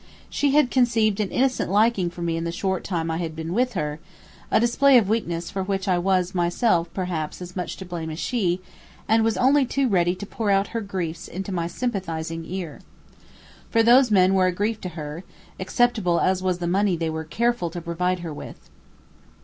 She had conceived an innocent liking for me in the short time I had been with her a display of weakness for which I was myself, perhaps, as much to blame as she and was only too ready to pour out her griefs into my sympathizing ear. For those men were a grief to her, acceptable as was the money they were careful to provide her with.